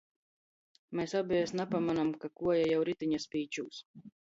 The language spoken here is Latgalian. Mes obejis napamonom, ka kuoja jau ritiņa spīčūs...